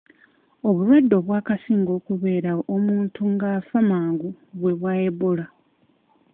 Obulwadde obwakasinga okubeerawo omuntu ng'afa mangu bwe bwa Ebola.